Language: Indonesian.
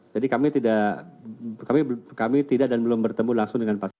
jadi kami tidak kami tidak dan belum bertemu langsung dengan pak sejajar